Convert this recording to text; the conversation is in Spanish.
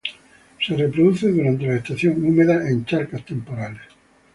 Se reproduce durante la estación húmeda en charcas temporales.